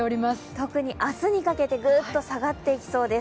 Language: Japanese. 特に明日にかけてグッと下がっていきそうです。